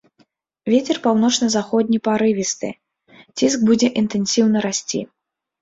Вецер паўночна-заходні парывісты, ціск будзе інтэнсіўна расці.